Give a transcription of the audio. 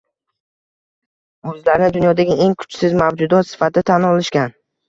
o’zlarini dunyodagi eng kuchsiz mavjudot sifatida tan olishgan